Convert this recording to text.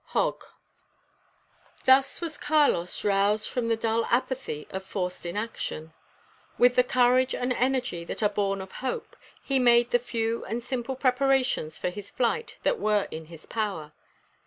Hogg Thus was Carlos roused from the dull apathy of forced inaction. With the courage and energy that are born of hope, he made the few and simple preparations for his flight that were in his power.